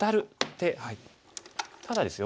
ただですよ